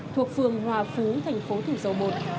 thuộc phường hòa phú thành phố thủ dầu một